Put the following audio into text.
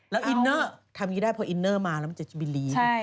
แล้วอินเนอร์ทำงี้ได้เพราะอินเนอร์มาแล้วมันจะมีลีน